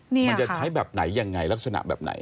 มันจะใช้แบบไหนยังไงลักษณะแบบไหน